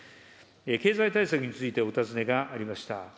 経済対策についてお尋ねがありました。